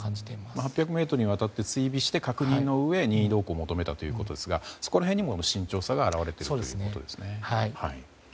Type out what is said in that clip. ８００ｍにわたって追尾して確認のうえ任意同行を求めたということですがその辺にも慎重さが現れていますね。